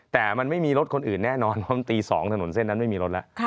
แต่มันไม่มีรถคนอื่นแน่นอนเพราะมันตี๒ถนนเส้นนั้นไม่มีรถแล้ว